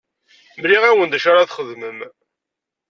Mliɣ-awen d acu ara txedmem.